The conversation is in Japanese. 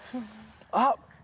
あっ！